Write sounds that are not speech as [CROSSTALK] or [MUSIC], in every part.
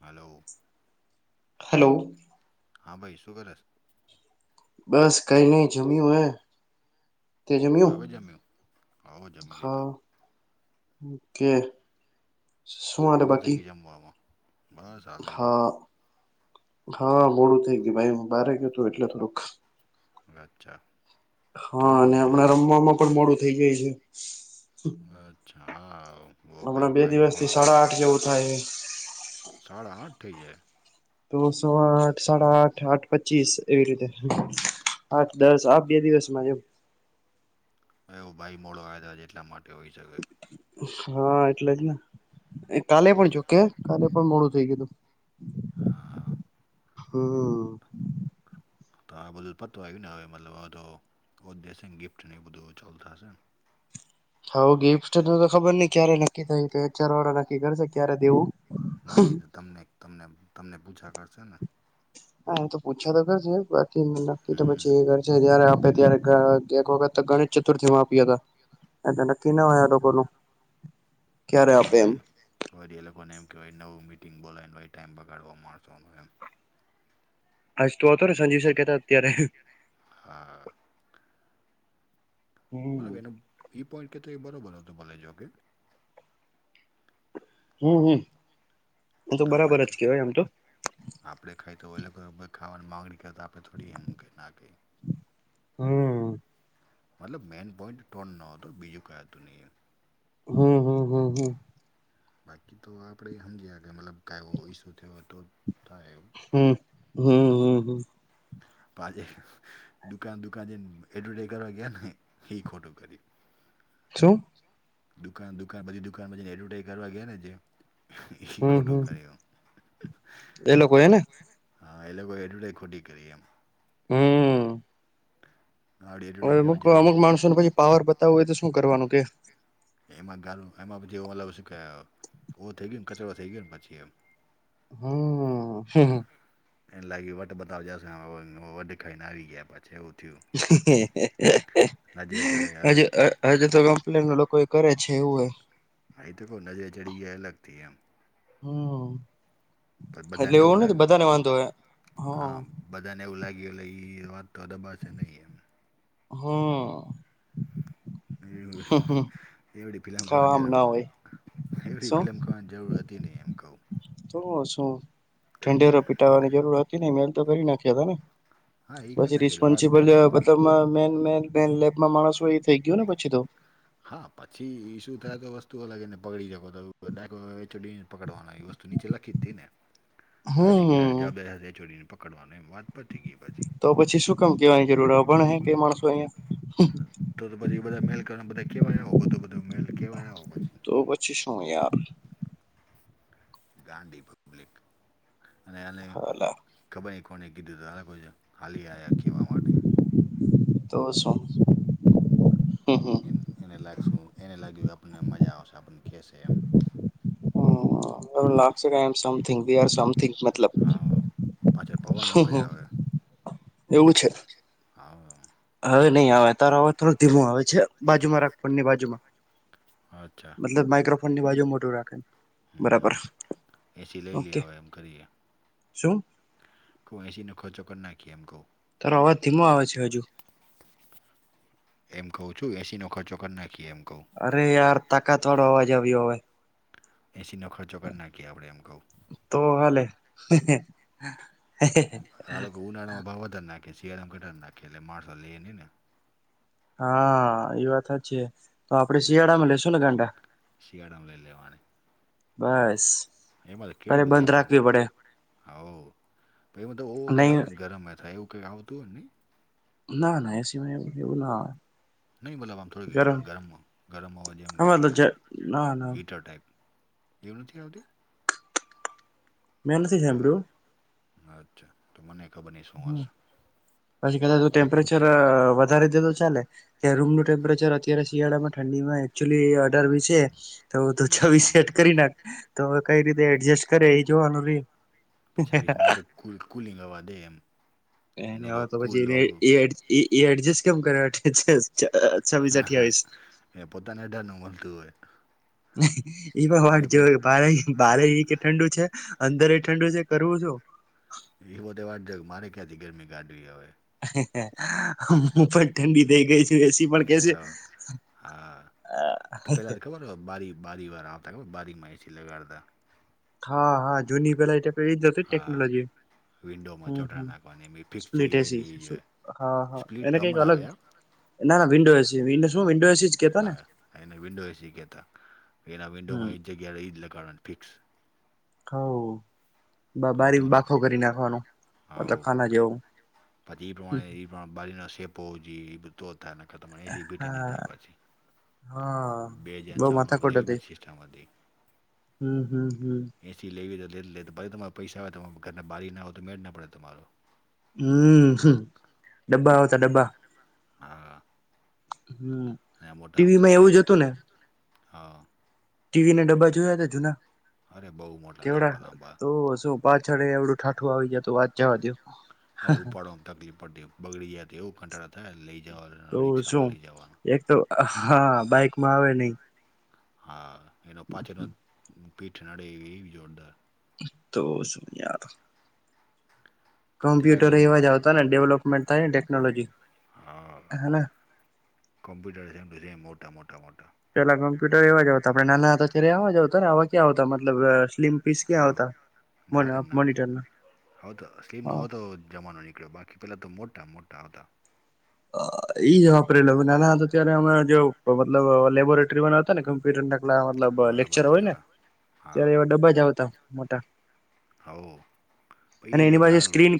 Hello. Hello. હા ભાઈ શું કરે છે? બસ કઈને જમ્યું એ. તે જમ્યું? હવે જમી હા. લીધું ઓકે, આજ સુંવાટ મોડું થઈ બાકી. ગયું જમવામાં બસ હાલે જો હા, હા મોડું થઇ ગયું ભાઈ, હુ બારે ગયો તું એટલે થોડુંક. અચ્છા. હા, કેટલા અને નીકળ્યા હમણાં પછી રમવામાં પણ મોડું થઈ ગયું એ. અચ્છા, હા બહ ભાઈ હમણાં બે ભાઈ દિવસ થી મોડો આયો સાડા તો. આઠ જેવું થાય સાડા અઠ થઈ ગયા. તો સો આઠ સાડા આઠ આઠ પચીસ, એવી રીતે આઠ દસ બે દિવસમાં એમ. એવો ભાઈ મોડો કાયદો છે એટલા માટે હોઈ શકે. હા એટલે જ ને, એ કાલે પણ જોકે કાલે પણ મોડું થઈ ગય હતું. હા. હમ્મ. તો આ બધું પત આવય્યું ના આવેવે મતલબ આ તો. ઓ દ અશે ગિફ્ટ ન બધ ચાલતા હશે. હા ગિફ્ટ તો ખબર નઈ ક્યારે નક્કી થય ચાર વાળા નક્કી કરશે ક્યારે દેવું. ના ના તો તમને તમને તમને પૂછા કરશે ને? હા તો પૂછા દર છે. નક્કી તો પછી હમ એ ઘર છે જયારે આપે ત્યારે એક વખત ગણિત ચતુર્થીમાં આપ્યા હતા એ નક્કી હમ. નાયા લોકો ન, ક્યારે આપે એમ. રી એ લોકોને એમ કહેવાય નવું મિટિંગ બોલાયને ભ ટાઈમ બગાડવા માણસોનો એમ. આજ તો વાતો સા સંજજી સા હ. બરાબર હમ એનો ઈ પોઈન્ટ કેતો બરોબર હો તો ભલે જો કે. હમ હમ, એ તો આપણે બરાબર જ ખ- કેવાય આમ તો. આપણે ખાઈ તો એલે ખાવાની માગણી કરી તો આપણે થોડી એ મૂકી ના કએ. હમ. મતલબ મેઈન પોઈન્ટ ટન ન હતો બીજું કઈ હતું નહીં. હમ હમ. હ હો. બાકી તો આપડે સમજી કે મતલબ કવ ઈસુ થયો તો થાય એ. હમ, હમ હમ હમ. પાછે દુકાન દુકાન જે એડવટ કરવા ગયા ને એ ખોટું કરી. શું? દુકાન દુકાન બધી દુકાનમાં જને એડવર્ટાઈઝ કરવા ગયા ને જે. એી હમ ખોટું હમ કરે એ. એ લોકો એને હા એ લોકોગઈ એડટે ખોટી કરી આમ. હમ. આવડી હ એડવર્ટાઈઝ અમુક કરવાની અમુ જરૂર માણસો પછી પાવર બતાવું હોય તો શું કરવાનું કે? એમાં ગારું એમાં પછી એવું અ શું ક એવું થઈ ગયું ને કચડો થઈ ગયો ને પછી એમ. હમ હ હ. એ લાગી વટ બધ જ વઢ ખાઈને હ આવી ગયા પછ જેવ થું. ચડે હજ અલગથી હજ તો ગમપલે લોકો કરે છેવું એ. હ તો કો નજરે ચઢી ગ લગતી એમ. હમ, પણ એટલે બધાને એવું નથી લાગે બધાને વાંધો હ હ. હા બધાને એવું લાગી ઓલે એ વાત તો દબાશે નહીં એમ. હા. હમ એવડી ફિલ્લમ ખાવા કરવારા આમ ના જરૂવા હોય એવડી શું ફિલ્મ કોણ જરૂર હતી નહીં એમ કહું. તો શું? ઢંઢેરો પીટાવાની જરૂર હતી નહીં, મેલ તો કરી નાખ્યા તો ને. હા એ કરી પછી નાખેલી વાત રિસ્પોન્સિબલ પતી મતલબમાં મેન-મેન-મેન લેબમાં માણસ હોય ઈ થઈ ગયો ને પછી તો. હા. પછી ઈ શું થાય કે વસ્તુ અલગ એને પકડી શકો [UNINTELLIGIBLE] પકડવાનું ઈ વસ તું નીચે લખી જ તી ને. કે હમ આની [UNINTELLIGIBLE] પકડવાનો એમ. વાત પતી ગઈ પછી. તો પછી શું કામ કહેવાની જરૂર હે? અભણ હે કાંઈ માણસો અહિયાં? હમ્મ. તો-તો પછી બધા મેલ કરવા, ને બધાઈ કહેવાઈ આવો, બધું-બધું મેલ કહેવા એ આવો. પછી તો પછી શું યાર. ગાંડી પબ્લિક. અને એની હાલા ખબર નહીં કોને કીધું તું [UNINTELLIGIBLE] હાલી આયા કહેવા માટે. તો શું. એન એને લાગ સું, એને લાગ્યું આપને મજા આવશે. આપને કહેશે એમ. એવું લાગશે કે I am something. We are something મતલબ. હા પાછળ પવનનો અવાજ આવે એવું છે. હા. હવે નહીં આવે તારો અવાજ થોડું ધીમું આવે છે. બાજુમાં રાખ ફોનની બાજુમાં. અચ્છા મતલબ માઈક્રોફોન ની બાજુમ મોઢું રાખ એમ. હમ્મ-હમ્મ. એ સી લઈ ઓકે લીયે હવે એમ કરીએ. શું? કઉ એ સી નો ખર્ચો કર નાખીએ એમ કઉં. તારો અવાજ ધીમો આવે છે હજુ. એમ કહું છું એ સી નો ખર્ચ કર નાખીએ એમ. કહું અરે યાર, તાકાતવાળો અવાજ આવ્યો હવે. એ સીનો ખર્ચો કર નાખીએ આપણે એમ કહું. તો હાલે. આ લોકો ઉનાળામાં ભાવ વધાર નાખે, શિયાળામાં ઘટાડ નાખે, એટલે માણસો લેઈ નહીં ને. હા ઈ વાત હાચી. લે. શિયાળામાં લઈ લેવાની. બસ એમાં તો તારે કેવી બધી બંધ આમ રાખવી પડે હોવ. પહી [UNINTELLIGIBLE] નહી આવેન, ગરમ એઈ થાય, એવું કાંઈ આવતું હોય નહીં? ના, ના એ સીમાં એવું-એવું ન આવે. નહીં મતલબ આમ થોડી ગરમ ગરમ-ગરમ હવા જેમ આમાં તો જ ના ના હીટર ટાઈપ. એવું નથી આવતું? મેં નથી સાઈભળું. અચ્છા. તો મનેઈ ખબર નહીં શું હમ હશે. પછી કદાચ ટેમ્પરેચર વધારી દે તો ચાલે, કે રૂમનું ટેમ્પરેચર અત્યારે શિયાળામાં ઠંડી હવા એકચુલી અઢાર વી છે તો-તો હમ છવ્વીસ હમ સેટ કરી નાખ. તો હવે કંઈ રીતે એડજસ્ટ કરે ઈ જોવાનું રેઈ. કૂલ કૂલિંગ હવા દે એમ. એનું તો કૂલ આવું ઈ-ઈ એડજસ્ટ કેમ કરે [UNINTELLIGIBLE] હા, હા. અઠ્યાવીસ એ પોતાના [UNINTELLIGIBLE] મલતું હોય. ઈ પણ વાટ એને પો જોવે. ભારે-ભારે હા ઈ કહે ઠંડુ છે. અંદર એઈ ઠંડુ છે. કરવું શું? ઈ બધે વાટ જોવે કે મારે ક્યાંથી ગરમી કાઢવી હવે. હું પણ ઠંડી થઇ ગઈ છું, એ સી પણ કહેશે. તો [INAUDIBLE] હા તો પેલા તો ખબર બારી બારી વાર આવતા કે બારીમાં એસી લગાડવાના. હા હા જૂની પેલાય એક જાતની હા ટેકનોલોજી ના. વિન્ડોમાં ચોટાર નાખવાની એ બી ફિક્સ થઈ એસી જાય એ, હા હા સ્પ્લટ એને તો કઈક હમણાં અલગ આવે. ના ના વિન્ડો એસી વિન્ડો શું વિન્ડો એસી જ કેતા ને હા એને વિન્ડો એસી કેતા. એના વિન્ડો હમ માં એક જગ્યાએ રહી જ કારણે ફિક્સ. હા. હવે બારી તો મતલબ બાખો હવ કરી નાખવાનો, મતલબ ખાના જેવું. પછી એ હા [UNINTELLIGIBLE] હા બે હજાર બઉ સાલમાં માથાકુટ બધી એવી હતી, બધી સિસ્ટમ હતી ખટે તે હમ હમ હમ. એસી લેવી તો લે લે તો પછી તમારે પૈસા આવે તમ ઘરના બારી ના હો તો મેળ ના પડે તમારો. હમ, ડબ્બા આવતા ડબ્બા. હા હા. હમ, અને મોટા આમ ટીવી માં એવું ઠપ જ હતું ને? હા. ટીવી ના ડબ્બા જોયા ને જૂના? અરે બહુ મોટા કેવડા લાંબા લાંબા તો શું? પાછળ એવડું ઠાઠું આવી જતું અને જપ- અરે ઉપાડવામાં તકલીફ પડતી બગડી જાય તો એવું કંટાળા આતા હૈ લઈ જવા તો રિક્ષામાં શું લઈ જવાના એક તો હા બાઈકમાં આવે નહી. હા એનો પાછેનો પીઠ નડે એવી એવી જોરદાર. તો સુન યાર. પણ ત્યારે કોમ્પ્યુટર આમ એવા જ આવતા ને ડેવલોપમેન્ટ થાય ને ટેકનોલોજી, હા હે. કોમ્પ્યુટર છે મોટા મોટા મોટા. પેલા કમ્પ્યુટર એવા જ આવતા આપડે નાના હતા ત્યારે આવા જ આવતા ને આવા ક્યા આવતા મતલબ સ્લિમ હા ના રે ના આવતા તો સ્લીમ ન હા હો તો જમાનો નીકળ્યો બાકી પેલા તો મોટા મોટા આવતા. અ ઈ જ વાપરેલા અમે નાના હતા ત્યારે અમારા જેવો મતલબ લેબોરેટરી વાળા હતા ને કમ કમ્પ્યુટરના કલા મતલબ હા લેક્ચર બસ હોય એવા ને. ત્યારે હા એવા ડબા જ આવતા મોટા. હોવ. અને એની પાસે સ્ક્રીન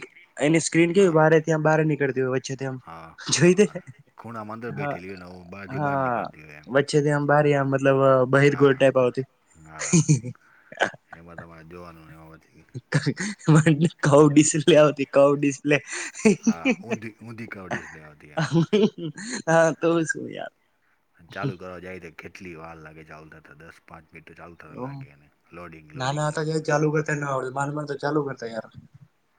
એની સ્ક્રીન હા કેવી ત્યાં બહાર નીકળતી હોય વચ્ચેથી એમ. જોઈતી હા તે ખૂણામાં અંદર હા બેઠેલી હોય ને હું બહારથી બહાર નીકળતી હોય એમ હા. છે થી આ બાર મતલબ હા બહિર્ગોળ ટાઈપ આવતી. હા એમાં તમારે જોવાનું એમાં પછી. કાઉ ડિસ્પ્લે આવતી કાઉ ડિસ્પ્લે. હા ઊંધી ઊંધી કવ ડિસ્પ્લે આવતી એમ હા તો શું યાર. અને ચાલુ કરવા જાય તો કેટલી વાર લાગે ચાલુ થતા દસ પાંચ મિનિટ ચાલુ થતા લાગે એને લોડિંગ લોડિંગ લોડિંગ. તને આવડે માંડ માંડ તો ચાલુ કરતા યાર.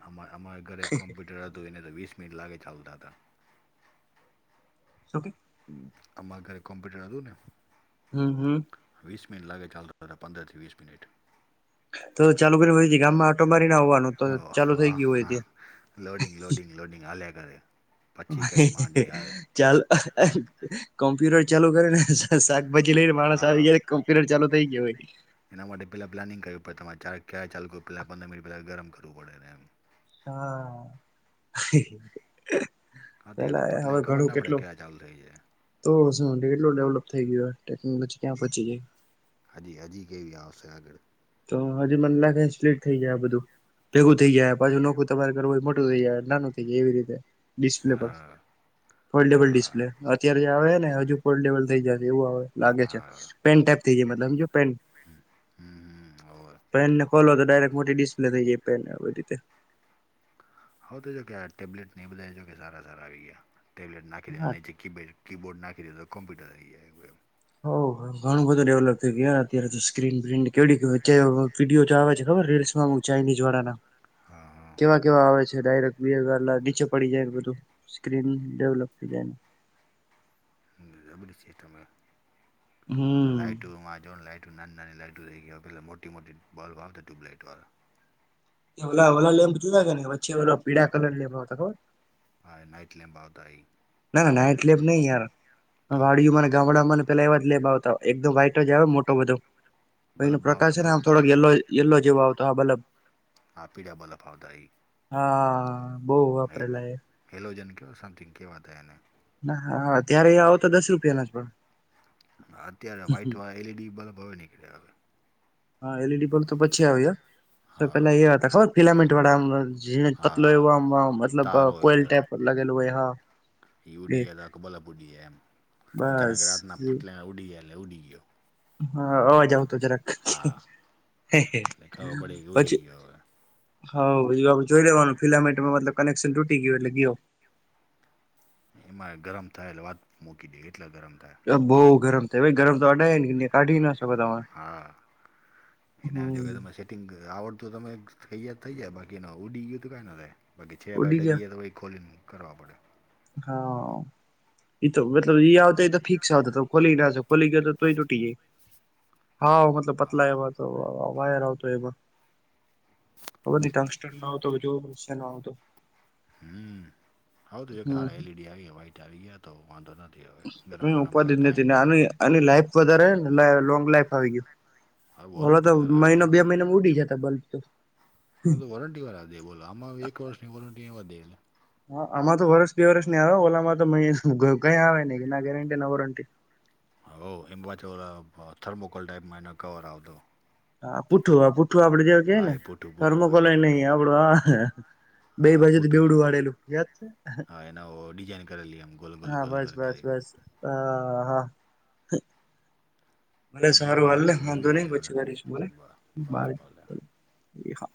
અ અમારા ઘરે કોમ્પ્યુટર હતું એને તો વીસ મિનિટ લાગે ચાલુ થતા. શકે. અમારા ઘરે કોમ્પ્યુટર હતું ને. હમ હમ. વીસ મિનિટ લાગે ચાલુ થતા પંદરથી વીસ મિનિટ. તો ચાલુ કર્યું હોય ગામમાં ઓટો મારી ને આવાનું તો ઓ ચાલુ થઈ ગયું હોય ત્યાં. લોડીંગ હાલ્યા કરે. પછી કંઈક [UNINTELLIGIBLE] માંડી આવે ચાલ કોમ્પ્યુટર ચાલુ કરે ને શાકભાજી લઈને માણસ આવી હા જાય. કમ્પ્યુટર ચાલુ થઈ ગયો હોય. એના માટે પહેલા પ્લાનિંગ કરવી પડે તમારે ચ ક્યારે ચાલુું પેલા પંદર મિનિટ પહેલા ગરમ કરવું પડે એમ. હા. હા ત્યારે તો પેલા ફટલે હવે ખબર ઘણું ના પડે કેટલું ક્યાં ચાલુ થઈ જાય તો શું કેટલું ડેવલપ થઈ ગયો ટેકનોલોજી ક્યાં પહોંચી ગઈ. હજી હજી કેવી આવશે આગળ. તો હજી મને લાગે સ્લીટ થઈ જાય બધું, ભેગું થઈ જાય પાછું નોખું તમારે કરવું એમાં. તો યાર નાનો થઈ ગયો એવી રીતે ડિસ્પ્લે પણ, હા હોલ્ડેબલ હા ડિસ્પ્લે. અત્યારે જે આવે ને હજુ ફોલ્ડેબલ થઈ જાય એવું આવે લાગે છે, પેન ટાઈપ થઈ જાય મતલબ હમજ્યો પેન. પેન હમમ. પેનને ખોલો તો ડાયરેક્ટ મોટી ડિસ્પ્લે થઈ જાય પેન આવી રીતે. હવે તો જો કે ટેબલેટને એ બધા સારા સારા આવી ગયા, ટેબ્લેટ નાખી દેવાનું હા નીચિક કીપેડ કી બોર્ડ નાખી દઈએ તો કમપ્યુટર થઈ જાય એવું એમ. હો ઘણું બધું ડેવલપ થઈ ગયું અત્યારે તો સ્ક્રીન પ્રિન્ટ કેવી વિડીયો જે આવે છે. ખબર રીલ્સમાં ચાઇનીઝ વાળા ના. હા હા. કેવા કેવા આવે છે ડાયરેક્ટ બે ગાદલા નીચે પડી જાય બધું સ્ક્રીન ડેવલપ થઈ જાય ને. બરાબર છે એતો વાત હમ લાઈટ ટ્યુમાં જો લાઈટું નાની નાની લાઈટ થઈ ગયું પેલા મોટી મોટી બલ્બ આવતી ટ્યુબલાઈટ વાળા. ઓલા ઓલા લેમ્પ જોયા છે પીડા કલર ના આવતા ખબર. નાઈટ લેમ્પ આવતા ઈ. ના ના નાઈટ લેમ્પ નહીં યાર. તો વાડીમા ને ગામડામાં ને પેલા એવા જ લેમ્પ આવતા એકદમ વાઈટ જ આવે મોટો બધો. એનો બલ્બ પ્રકાશ આવતા છે ને બલ્બ આમ થોડોક યલો યલો જેવો આવતો હા બલબ. હા પીળા બલ્બ આવતા હા હા હા બહુ વાપરેલા એ. હેલો જન ક્યો સમથિંગ કવાતતા એને. ા ત્યારે આવો તો દસ રૂપિયાના જ પણ. અત્યારે વ્હાઈટ વાળ એલઈડી બલ્બ હવે નીકળે હવે. હા એલઈડી બલ્બ તો પછી આવ. તો પેલા હા એ હતા ખબર પિલામેન્ટ વાળા પતલો એવ હા મતલબ તાર હોય કોલપ અંદર ટેપ. લગલુંય હા. એ ઉડી ગયા તો કે બલ્બ ઉૂડી ગયા એમ, અચાનક બસ રાતના ફટલે ઉડી ગયા એલાલે ઉડી ગયો. હા અવાજ આવતો જરાક. હા હ એટલે ખબર પડે કે ઉડી પછી ગયો હવે હ એ જોઈ લેવાનું ફિલામેન્ટ માલ કનેક્શન તૂટી ગયું એટલે ગયો. એમાં ગર થાયલા વાત મૂકી દે કેટલા ગરમ. થાય અ ભા ગરમ થ ભ ગરમ તો આડાા કાઢી ના શકો તમેં. હ [UNINTELLIGIBLE] એને જો તો આવડત તમે કૈયાદ થઈ જાય બાકી ન ઉડી ગયું તો કઈ ના થાય. બાકી છે બાય ઉડી ગયા ડગીયા તો ભ ખોલીને કરવા પડે. હા, તો મતલબ આવતો એ તો ફિક્સ આવતો ખોલી ના છો ખોલી ગ તૂટી ગઈ, હા મતલબ પતલા હા એમાં તો વા તો એમાં. બધી ટંગસ્ટ નતો નતો. હમ્મ. હવ તો એક હારે એલ હમ ઈ ડી આવી ગયા, વાઇટ આવી ગયા તો વાંધો નથ હમ્મ. ઉપાધિ જ નથી. ને આની-આની લાઈફ વધારે હેને લોંગ લાઈફ આવી ગયું. હવે ઓલા તો વોરંટી વાળા આવે જો મહિનો ને બે મહિનામાં ઉડી જતા બલ્બ તો. હવે તો વોરંટીવાળા દે બોલો, આમાં હવે એક વર્ષની વોરંટી એવા દે એલા. હા. આમાં તો વર્ષ બે વર્ષની આવે. ઓલામાં તો [UNINTELLIGIBLE] કંઈ આવે નહીં, ના ગેરંટી ના વોરંટી. હોવ. એમ પાછો ઓલા અહ થર્મોકોલ ટાઈપમાં એનો કવર આવતો. આ પુઠ્ઠું આ પુઠ્ઠું આપડે જ્યારે હા કેઈને એ પૂઠું પૂઠું હા એ થર્મોકોલઈ પૂઠું નહીં આવડું આ બેઈ હા બાજુથી પૂઠું બેવડું વાળેલું, યાદ છે? હા એના ડિઝાઇન કરેલી એમ ગોલ ગોલ હા, ગોલ ગોલ કરીને બસ-બસ-બસ. અહા. ભલે સારું હાલો હાલને ને હોઈ વાંધો નહીં જાય પછી કરીશ હો ને, હવે ભલે ભલે બાય, ભલે એ હા.